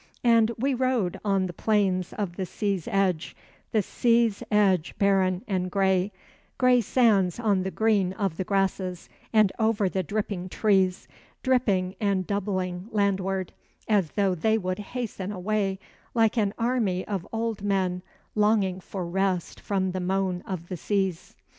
And we rode on the plains of the sea's edge the sea's edge barren and gray, Gray sands on the green of the grasses and over the dripping trees, Dripping and doubling landward, as though they would hasten away Like an army of old men longing for rest from the moan of the seas.